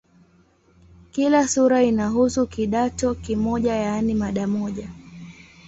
Kila sura inahusu "kidato" kimoja, yaani mada moja.